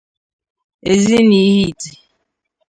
Ezinihite